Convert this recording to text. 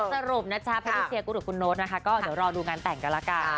สรุปนะครับแพทย์ที่เซียกูธหรือคุณโน้ตนะคะก็เดี๋ยวรอดูงานแต่งกันล่ะก่อน